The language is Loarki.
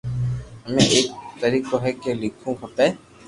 امي ايڪ طريقو ھي ڪي ليکووُ کپي